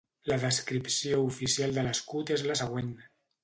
La descripció oficial de l'escut és la següent.